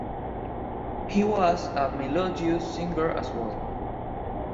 He was a melodious singer as well.